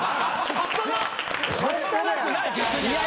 はしたなくない。